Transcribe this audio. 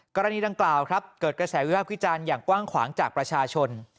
กรณีดังกล่าวครับเกิดกระแสวิภาพวิจารณ์อย่างกว้างขวางจากประชาชน